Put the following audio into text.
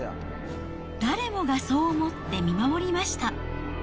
誰もがそう思って見守りました。